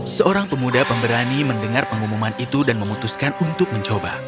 seorang pemuda pemberani mendengar pengumuman itu dan memutuskan untuk mencoba